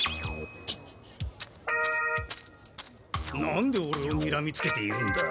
何でオレをにらみつけているんだ？